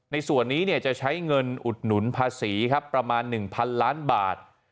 ในส่วนนี้จะใช้เงินอุดหนุนภาษีครับประมาณ๑๐๐๐ล้านบาท